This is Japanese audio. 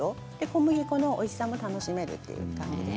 小麦粉のおいしさも楽しめるという感じ。